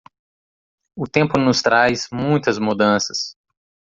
O tempo nos traz muitas mudanças.